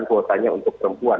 ada kuotanya untuk perempuan